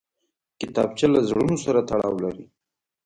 کتابچه له زړونو سره تړاو لري